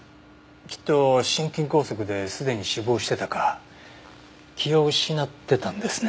きっと心筋梗塞ですでに死亡してたか気を失ってたんですね。